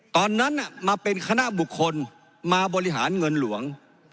ตอนนั้นมาเป็นคณะบุคคลมาบริหารเงินหลวง